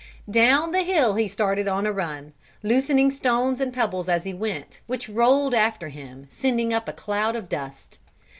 Down the hill he started on a run, loosening stones and pebbles as he went, which rolled after him sending up a cloud of dust.